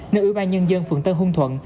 nên ủy ban nhân dân phường tân hung thuận